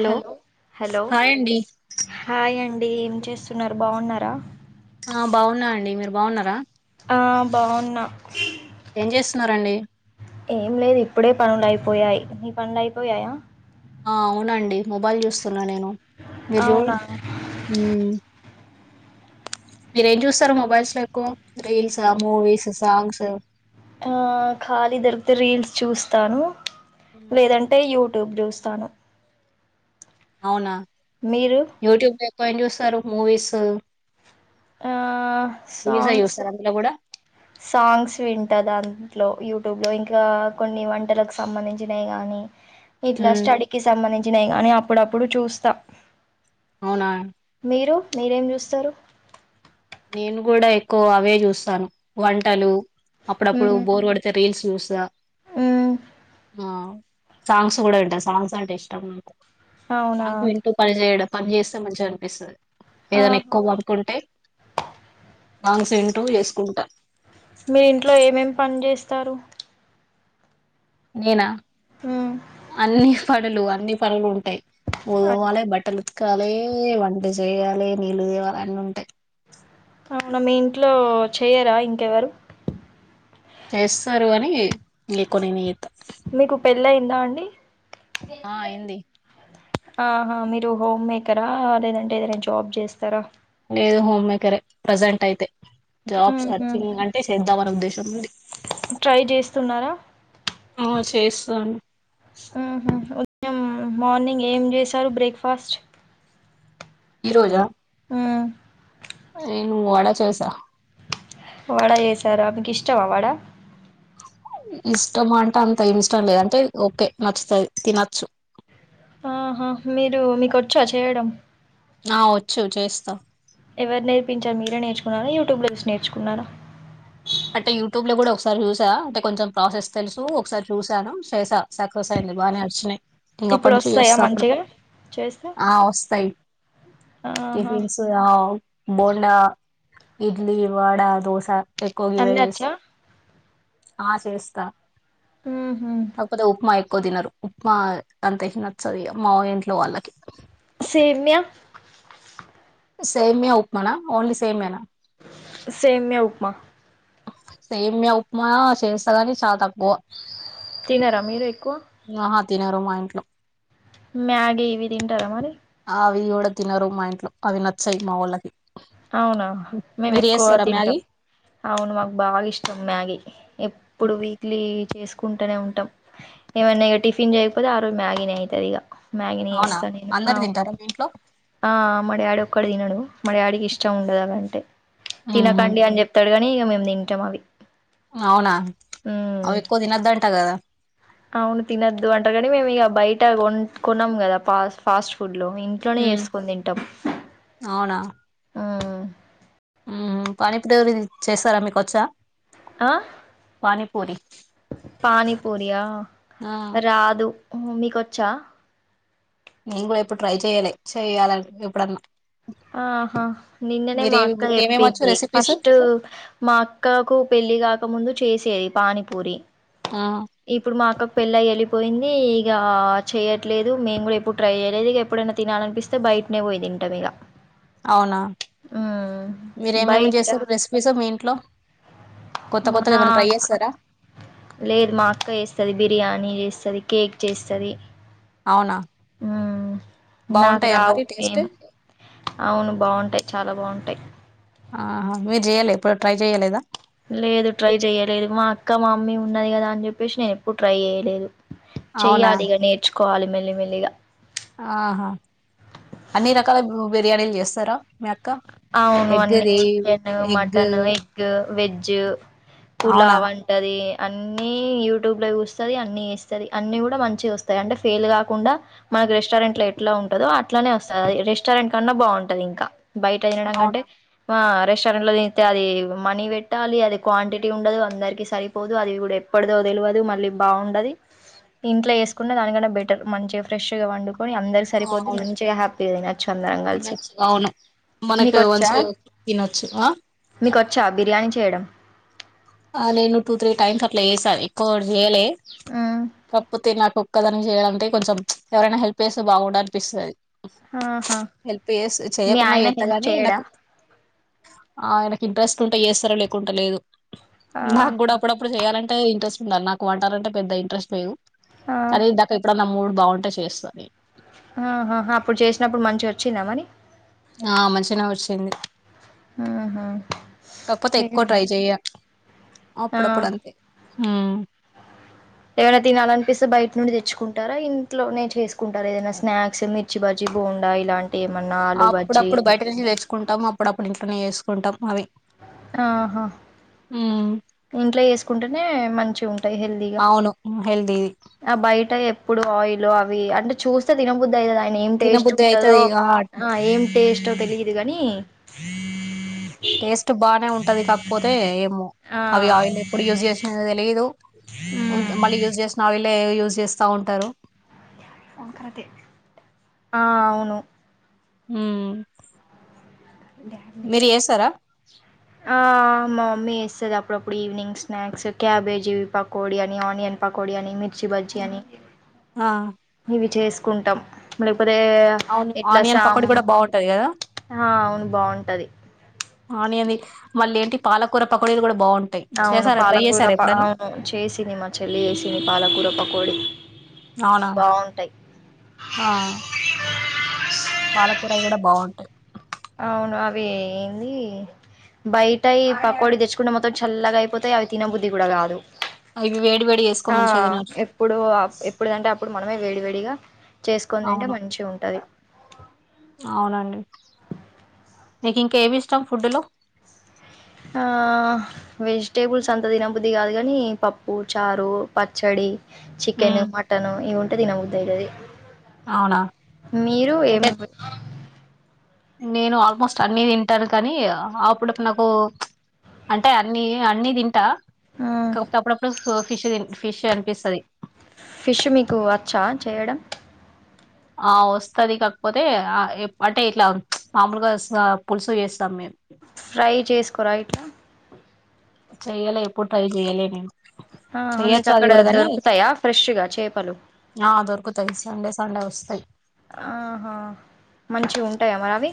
Hello hello hi అండి hi అండ్ డీ ఏం చేస్తున్నారు బావున్నారా ఆ బాగున్నా అండి మీరు బాగున్నారా ఆ బావున్నా ఏం చేస్తున్నరండి ఏం లేదు ఇప్పుడే పనులయిపోయాయి నీ పనులు అయిపోయాయా ఆ అవునండి మొబైల్ చూస్తున్ న్న నేను మీరు జూడ్ అవునా మ్మ్ మీరేం చూస్తారు మొబైల్స్ లో ఎక్కువ రీల్స్ ఆ మూవీస్ సాంగ్స్ ఆ ఖాళీ దొరికితే రీల్స్ చూస్తాను మ్మ్. లేదంటే యూ ట్యూబ్ చూస్తాను అవునా మీరు యూట్యూబ్ లో ఏం చూస్తారు మూవీసు ఆ మూవీసే సాంగ్స్ చూస్తారా అందులో కూడా సాంగ్స్ వింటా దాంట్లో యూట్యూబ్ లో ఇంకా కొన్ని వంటలకు సంబంధించినయ్ గానీ ఇట్లా మ్మ్ స్టడీకిి సంబంధించినయ్ గానీ ప్పుడప్పుడు చూస్తా నా మీరు మీరేం చూస్తారు నేను గూడ ఎక్కువ అవే చూస్తాను వంటలు అప్పుడప్పుడు మ్మ్ బోర్ కొడితే రీల్స్ చూస్తా మ్మ్ ఆ సాంగ్స్ గుడ వింటా సాంగ్స్ అంటే ఇష్టం నాకు అవునా సాంగ్స్ వింటూ పని చేయడం పని చేస్తే మంచింగా అనిపిస్తది. ఏదన్నా ఆహా ఎక్కువ వర్కుంటే సాంగ్స్ వింటూ ఏసుకుంటా తరు నేనా మ్మ్ అన్నీ పనులు అ అన్నీ పనులు ఉంటాయి వాలయి బట్టలు ఉ తకాలే వంట చేయాలే నీళ్ళు తేవాల అన్నీ ఉంటాయి చేయరా ఇంకెవరు చేస్తారు కాని ఎక్కువ నేనే చేస్తా మీకు పెళ్లి అయిందా అండి ఆ ఏంది అ ఆహా మీరు హోమ్ మేకరా లేదంటే ఏదైనా జాబ్ చేస్తారా లేదు హోమ్ మేకరే ప్రెసెంట్ అయితే జాబ్ మ్మ్ సర్చింగ్ అంటే చేద్దాంమని ఉద్దేశం చమ్మడి ట్రై చేస్తున్నారా చేస్తను హ్ మార్నింగ్ ఏం చేశారు బ్రేక్ఫాస్ట్ ఈ రోజా హ్ నేను వడా చేసా వడ చేసార మీకు ఇష్టమా వడ ఇష్టం అంటే అంత ఇష్టం లేదు అంటే ఓకే నచ్చుతది తినొచ్చు ఆహా మీరు మీకొచ్చా చేయడం ఆ వచ్చు చేస్తా ఎవరు నేర్పించారు మీరే నేర్చుకున్నారా యూట్యూబ్లో చూసి నేర్చుకున్నారా అంటే యూట్యూబ్ లో కూడా ఒకసారి చూసా అంటే కొంచెం ప్రాసెస్ తెలుసు ఒకసారి చూసాను చేసా సక్సెస్ అయ్యింది బాగానే నచ్చినాయి ఇంక అప్పడు ఇప్పుడు నుంచి వస్తాయా చేస్తా అప్పుడు మంచిగా చేస్తే ఆ వస్తాయి ఆహా టిఫిన్స్ బోండా ఇడ్లీ, వడ, దోస అ కుగి వె అన్ని వచ్చా ఆ చేస్తా ఉహు కాకపోతే ఉప్మా యి కొదినరు ఉప్మా అంతే నచ్చది ఇగ మా ఇంట్లో వాళ్ళకి సేమ్యా సేమ్య ఉప్మానా ఓన్లీ సేమ్యానా సేమ్య ఉప్మా సేమ్య ఉప్మా చేస్తాకని చాలా త తినరా మీరు ఎక్కువ ఆహా తినరు మా ఇంట్లో మ్యాగి ఇవి తింటార మరి అవి కూడా తినరు మా ఇంట్లో అవి నచ్చయి మావోల్లకి అవునా మేము ఎక్కువ మ్యాగీ తింటాం. అవును మాకు బాగా ఇష్టం. మ్యాగీ ఎప్పుడు వీక్లీ చేస్ కుంటానేవుంటాం ఏమన్నా ఇగ టిఫిన్ చేయకపోతే ఆ రోజు మ్యాగీనే అయితది ఇగ మ్యాగినే అవునా చేస్తా నేను అందరు తింటారా మీ ఇంట్లో ఆ మా డాడీ ఒక్కడే తన్నడు మా డాడీకి ఇష్ [unintelligible] ఉహు తినకండి అని చెప్తాడు. కానీ ఇక మేమ్ తింటాం అవి అవునా ఉమ్. అవేక్కువ దినదంట గదా అవును తినద్దు అంటాడ్ కానీ మేము ఇక బయట కొ కొన్నాము కదా ఫ ఫాస్ట్ ఫుడ్ లో ఇంట్లోనే ఉమ్ చేస్కొని తింటాం మ్మ్ మ్మ్ పాని [unintelligible] చేస్తారా మీకు వచ్చా ఆ పానీపూరి పానీపూరియా ఆ రాదు హ్మ్ హు మీకొచ్చా నేను కూడా ఎప్పుడు ట్రై చెయ్యాలె చెయ్యాలన్ ఎప్పుడన్నా ఆహా నిన్ననే మా మీరేమి అక్క మీకేమేమి వచ్చు చెప్పింది రెసిపీస్ ఫస్ట్ మా అక్కకు పెళ్ళి కాకముందు చేసేది పానీపూరి ఆ ఇప్పుడు మా అక్కక్ పెళ్లై ఎల్లి పోయింది ఇగ చేయట్లేదు మేము కూడా ఎప్పుడు ట్రై చేయలేదు ఇక ఎప్పుడైనా తినాలినిపిస్తే బయటనే పోయి తింటాం ఇగ అవునా మీర ఏమేమి చేస్తారు రెసిపీస్ మీ ట్లో మ్మ్ నా లేదు మా అక్క చేస్తది బి బిర్యానీ చేస్తది కేక్ చేస్తది అవునా మ్మ్ నాకు బాగుంటాయా రావు మరి టేస్ట్ ఏం అవును బాగుంటాయి చాలా బాగుంటాయి ఆ మీరు చెయాలి ఎప్పుడు ట్రై చెయ్యాలేదా లేదు ట్రై చెయలేదు మా అక్క మా మమ్మీ ఉన్నది కదా అని చెప్పేసి నేను ఎప్పుడు ట్రై చేయలేదు అవునా చెయ్యలి ఇగ నేర్చ్ కోవాలి మెల్లి మెల్లిగా ఆహా అన్ని రకాల బిర్యానీలు చేస్తారా మీ అక్క అవును అన్ని ఎగ్ది chicken egg mutton egg veg అవునా పులావ్ అంటది అన్ని యూట్యూబ్ లో చూస్తది అన్ని వేస్తది అన్ని కూడా మంచిగ వస్తాయి అంటే ఫెయిల్ కాకుండా మనకి రెస్టారెంట్ లో ఎట్లా ఉంటందో అట్లానే వస్తది అ రెస్టారెంట్ కన్నా బాగుంటది ఇంకా బయట తినడం కంటే అవునా? ఆ రెస్టారెంట్లో చెత్తే అది మనీ పెట్టాలి అది క్వాంటిటీ ఉండదు అందరికీ సరిపోదు అది కూడా ఎప్పటిదో తెల్వదు మళ్ళీ బాగుండది ఇంట్లో వేసుకుంటే దానికన్నా బెటర్ మంచిగా ఫ్రెష్గా వండు కొని అందరి సరిపోద్ అవును మంచిగా హ్యాపీగా తినొచ్చు అందరం కలిసి తినొచ్చు అవును మనకు మీకొచ్చా మంచిగా తినొచ్చు ఆ మీకొచ్చా బిర్యానీ చేయడం ఆ నేను టూ త్రీ టైమ్స్ అట్ల చేసా ఎక్కువ కూడ చేయ్యలే మ్మ్ పప్పు తినకు క్కదనే చేయాలంటే కొంచెం ఎవరైనా హెల్ప్ చేస్తే బాగుండ అనిపిస్తది ఆహా హెల్ప్ చేస్తే మీ చేయకున్న ఆయన హెల్ప్ చేత్తగాని చేయడా నాకు ఆయన్క్ ఇంట్రెస్ట్ టుంటే చేస్తారు లేకుంటె లేదు నాకు కూడా ఆహా అప్పుడప్పుడు చెయాలన్ అంటే ఇంట్రెస్ట్ ఉండాల నాకు వంటలంటే పెద్ద ఇంట్రెస్ట్ లేవు ఆ కానీ ఇందాక ఎప్పుడన్నా మూడ్ బాగుంటే చేస్తా నే ఆహాహ అప్పుడు చేసినప్పుడు మంచిగా వచ్చింద మణి ఆ మంచిగానే వచ్చింది ఆహా కాక్పోతే ఎక్కువ ట్రై చెయ్య ఆ అప్పుడప్పుడు అంతే హ్మ్ ఏవన్నా తినాలినిపిస్తే బయట నుండి తెచ్చుకుంటారా, ఇంట్లోనే చేసుకుంటారా, ఏదైనా స్నాక్స్ మిర్చి బజ్జి బోండా ఇలాంటి ఏమన్నా ఆలు బజ్జీ అప్పుడప్పుడు బయట నుంచి తెచ్చుకుంటాము. అప్పుడప్పుడు ఇంట్లోనే చేస్కు కుంటం అవి ఆహా ఉమ్ ఇంట్లో చేేసుకుంటేనే మంచి ఉంన్ అవును హెల్దీది ఆ బయట ఎప్పుడు ఆయిల్ అవి అంటే చూస్తే తినబద్ధి అయితది ఏం టేస్ట్ తినబుద్ధి అయితది ఉంటదో ఇగ ఆ ఏం టేస్టో తెలియదు గాని టేస్ట్ బానే ఉంటది కాకపోతే ఏమో ఆ అవి ఆయిల్ ఎప్పుడు యూజ్ చేసినో తెలిదు మళ్ళీ యూజ్ చేసిన ఆయిలే యుజ్ చేస్తా ఉంటారు ఆ అవును మ్మ్ మీరు చేస్తారా ఆ మా మమ్మీ చేస్తాది అప్పుడప్పుడు ఈవినింగ్ స్నాక్స్ క్యాబేజీ పకోడి అని, ఆనియన్ పకోడి అని, మిర్చ్ మిర్చి బజ్జి అని ఆ ఇవి చేస్ కుంటం మే అప్పుడే అవును ఇట్లా ఆనియన్ సామ్ పకోడి కూడా బాగుంటది కదా అవును బాగుంటంది ఆనియన్ది మళ్ళీ ఏంటి పాలకూర పకోడీలు కూడా బాగుంటాయి అవును చేసారా ట్రై పాలకూర చేసారా ప ఎప్పుడైనా అవును చేసింది మా చెల్లి వేసింది పాలకూర పకోడి అవునా బాగుంటాయి పాలకూరయి కూడా బాగుంటాయి అవును అవి ఏంది బయిటయి పకోడి తెచ్చుకున్న మొత్తం చల్లగా అయిపోతాయి అవి తినబుద్ధి కూడా కాదు ఇవి వేడి వేడి చేసుకో ఆ మంచిగా తినొచ్చు ఎప్పుడు ఎప్పుడంటేయపుడు మనమే వేడివేడి ఇగ చేసుకొని తింటే అవును మంచిగా ఉంటది అవునండి నీకు ఇంకా ఏవి ఇష్టం ఫుడ్ లో ఆ వెజిటేబుల్స్ అంత తినబుద్ధి కాదు కాని పప్పు చారు పచ్చడి చికెన్ ఉమ్ మటన్ ఇవి ఉంటే దినబ అయితది అవునా మీరు ఏం చికెన్ నేను ఆల్మోస్ట్ అన్ని తింటాను కానీ అపుడపుడు నాకు అంటే అన్ని అన్ని తింటా మ్మ్ అపుడపుడు ఫిష్ తిన్ ఫిష్ అనిపిస్తుంది ఫిష్ మీకు వచ్చా చేయడం ఆ వస్తుది కాకపోతే అంటే ఇట్లా మామూలుగా పులుసు చేస్తాం మేము ఫ్రై చేసుకోరా ఇట్లా చెయ్యాలే ఎప్పుడు ట్రై చెయ్యలే నేను ఆహా మీకు చెయ్యొచ్చు అది అక్కడ కూడా కాని దొరుకుతాయా ఫ్రెష్గా చేపలు ఆ దొరుకుతాయి సండే సండే వస్తాయి ఆహా మంచిగా ఉంటాయా మరి అవి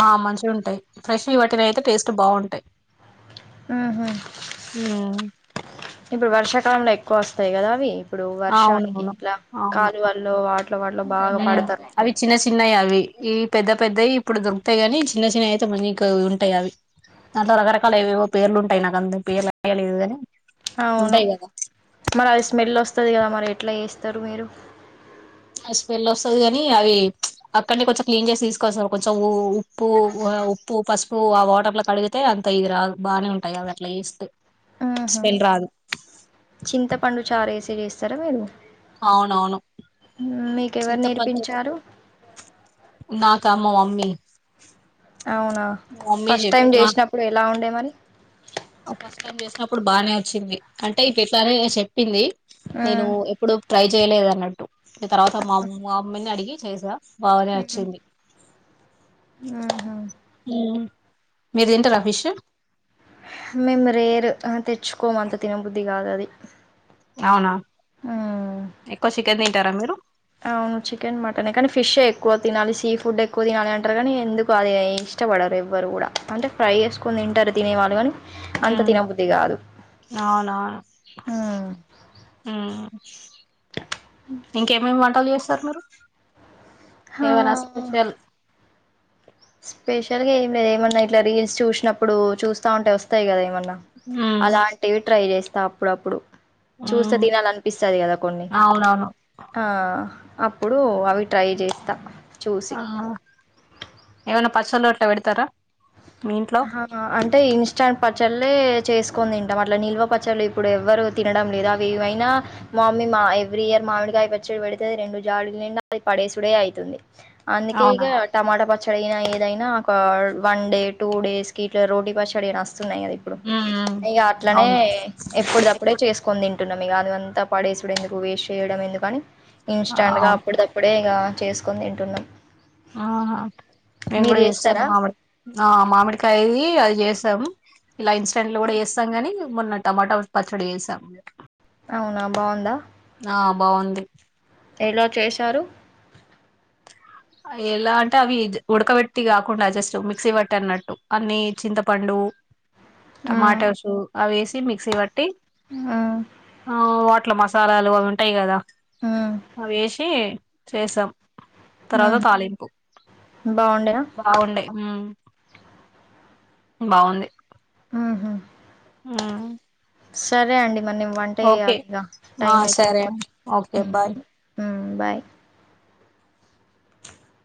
ఆ మంచిగా ఉంటాయి ఫ్రెష్ వట్టినాయి అయితే టేస్ట్ బాగుంటాయి ఉహూ ఉమ్ ఇప్పుడు వర్షాకాలంలో వస్తాయి కదా అవి ఇప్పుడు వర్షానికి అవునవును ఇట్లా అవును అవును కాలు వాల్లో వాటిల వాటిలో బాగా ఉమ్ పడుతున్నాయి అవి చిన్న చిన్నవి అవి ఈ పెద్ద పెద్దవి ఇప్పుడు దొరుకుతాయి కాని చిన్న చిన్న అయితే మల్ల ఇంక ఉంటాయి అవి దాంట్లో రకరకాలవేవో పేర్లుంటాయి నాకు అంత పేర్లు ఐడియా లేదు కాగాని అవును మరి అది స్మెల్ వస్త వస్తుంది కదా మరి ఎట్లా చేస్తారు మీరు స్మెల్ వస్తది కాని అవి అక్కడనే కొంచెం క్లీన్ చేసి తీసుకొస్తారు కొంచెం ఉ ప్పు ఉప్పు పసుపు సో ఆ వాటర్ కడిగితే అంత ఇది రా బాగానే ఉంటాయి అది అట్లా ఎస్తే ఆహ చింతపండు చారు వేసి చేస్తా సరవేను అవునవును మీకెవరు చింతపడు నేర్పించారు నాకు అమ్మ మామ్మ అన్ని అవునా ఫస్ట్ టైం చేసినప్పుడు ఎలా ఉండే మరి ఫస్ట్ టైమ్ చేసినప్పుడు బానే వచ్చింది అంటే ఈ సారి ఏ చేసి చెప్పింది నేను ఉమ్ ఎప్పుడు ట్రై చేయలేదు అన్నట్టు నీ తర్వాత మామ్ మా మమ్మీ నీ అడిగి చేస మ్మ్ మ్మ్ హ్మ్ హు మ్మ్ మీరు తింటర ఫిష్ మేము రేరు ఆ తెచ్చుకోము అంత తినబుద్ధి కాదు అది అవునా ఉమ్ ఎక్కువ చికెన్ తిన్ టారా మీరు అవును చికెన్ మటనే కానీ ఫిషే ఎక్కువ తినాలి సీ ఫుడ్ ఎక్కువ తినాలి అంటారు కానీ ఎందుకు అది ఇష్టపడరు ఎవ్వరు కూడా అంటే ఫ్రై చేసుకని తింటారు తినేవాళ్ళు కాని మ్మ్ అవున మ్మ్ ఇంకేమేం వంటలు చే సర్ మీరు హా ఏవనా స్పెషల్ స్పెషల్గా ఏ మీరు ఏమన్నా ఇట్లా రీల్స్ చూసినప్పుడు చూస్తా ఉంటే వస్తాయి కదా ఏమన్నా ఉమ్. అలాంటివి ట్రై చేస్ త అప్పుడప్పుడు చూస్తే ఉమ్. తినాల అనిపిస్తది కదా కొన్ని అవునవును ఆ అప్పుడు అవి ట్రై చేస్త ఆహౌ ఏమైనా పచ్చళ్ళు అట్లా పెడతారా మీ ఇంట్లో ఆహా అంటే ఇన్స్టా పచ్చళ్లే చేసుకుని తింటాం అట్లలా నిల్వ పచ్చళ్ు ఇప్పుడు ఎవ్వరు తినడం లేదు అవి ఏవైనా మామ్మీ మా ఎవ్రీ ఇయర్ మామిడి కాయ పచ్చడి పెడితే రెండు జాడులు నిండా అది పడేసుడే అవుతుంది అందుకె అవునా ఈగ టమాటా పచ్ చడైన ఏదైనా ఒక వన్ డే టూ డేస్ ఇట్లా రోటీ పచ్చడి చెస్ న్నాయి కదా ఇప్పుడు ఉమ్. ఉమ్. ఇక అట్లనే అవును ఎప్పుడు తప్పుడే చేసుకోందిం పంటున్నాం గ అది అంతా పడేసడు ఎందుకు వేస్ట్ చేయడం ఎందుకుగాని ఆ, ఇన్స్టాంట్ గ అవును అప్పుడు తప్పుడే ఇగ చేసుకొని తింటున్నాం ఆ మేం మీరు కూడా చేస్తారా? మామిడి ఆ మామిడి కై అది చేసాం ఇలా ఇన్స్టాంట్ లో కూడా చేస్తాం గాని మొన్న టమాటా పచ్చడి వేసాం అవునా బాగుందా బాగుంది ఎలా చేశారు ఎలా అంటే అవి ఉడకబెట్టి కాకుండా జస్ట్ మిక్సీ పట్టి అన్నట్టు అన్ని చింతపండు ఆ టమాటసు అవేసి మిక్సీ పట్ ట్టి ఆ అ వట్ అట్ల మసాలాలు అవి ఉంటయి కదా ఆ అవేసి చేసాం ఆ తర్వాత తాలింపు బాగుండేనా బాగుండే హ్మ్ బాగుంది ఆహా ఊ సరే అండి మరి నేను వంట చేయాలి ఇగ ఆ టైమ్ అయితది సరే ఓకే కొంచెం బాయ్ బాయ్